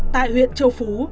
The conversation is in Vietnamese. tại huyện châu phú